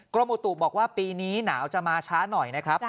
กรมอุตุบอกว่าปีนี้หนาวจะมาช้าหน่อยนะครับ